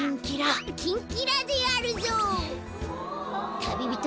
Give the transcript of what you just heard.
キンキラであるぞ！